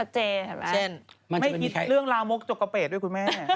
เช่นมันจะไม่มีใครไม่กินเรื่องราวมกโจ๊กกะเปดด้วยคุณแม่